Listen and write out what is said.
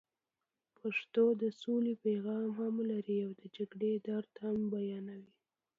پښتو د سولې پیغام هم لري او د جګړې درد هم بیانوي.